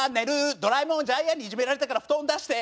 ドラえもんジャイアンにいじめられたから布団出して。